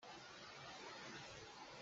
Ka kut cu meifar in ka nawng lai cih!